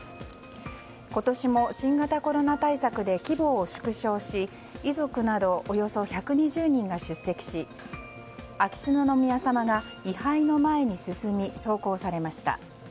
今年も新型コロナ対策で規模を縮小し遺族などおよそ１２０人が出席し秋篠宮さまが位牌の前に進み焼香されました。